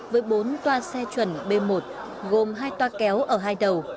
với bốn toa xe chuẩn b một gồm hai toa kéo ở hai đầu